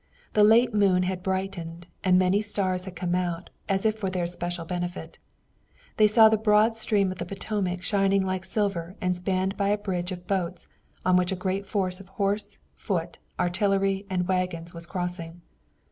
The late moon had brightened, and many stars had come out as if for their especial benefit. They saw the broad stream of the Potomac shining like silver and spanned by a bridge of boats, on which a great force, horse, foot, artillery, and wagons, was crossing.